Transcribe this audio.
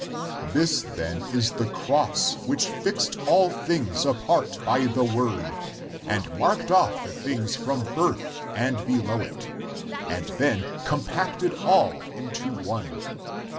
This, then, is the cross which fixed all things apart by the Word, and marked off the things from birth and below it, and then compacted all into one.